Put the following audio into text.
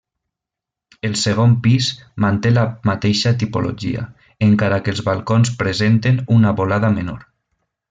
El segon pis, manté la mateixa tipologia, encara que els balcons presenten una volada menor.